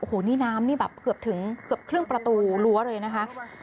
โอ้โหนี่น้ำนี่แบบเกือบถึงเกือบครึ่งประตูรั้วเลยนะคะ